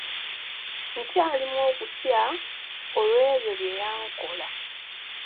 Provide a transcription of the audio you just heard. Nkyalimu okutya olw'ebyo bye yankola.